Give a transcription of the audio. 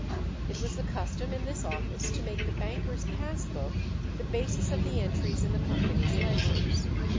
It was the custom in this office to make the banker's pass book the basis of the entries in the company's ledgers.